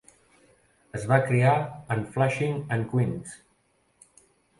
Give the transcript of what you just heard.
Es va criar en Flushing en Queens.